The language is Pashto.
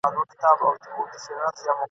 له مخلوق څخه ګوښه تر ښار دباندي !.